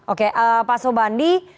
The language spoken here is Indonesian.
oke pak sobandi